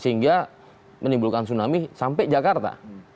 sehingga menimbulkan tsunami sampai jakarta